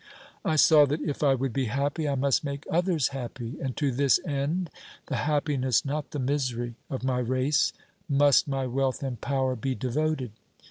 I saw that if I would be happy I must make others happy, and to this end the happiness, not the misery, of my race must my wealth and power be devoted.